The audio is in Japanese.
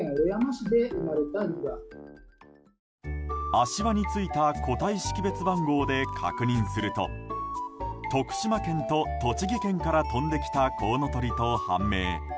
足輪についた個体識別番号で確認すると徳島県と栃木県から飛んできたコウノトリと判明。